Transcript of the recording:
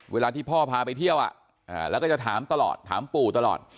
เวลาที่พ่อพาไปเที่ยวแล้วก็จะถามตลอดถามปู่ตลอด